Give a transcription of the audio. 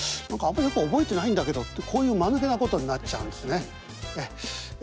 「何かあんまりよく覚えてないんだけど」ってこういうまぬけなことになっちゃうんですねええ。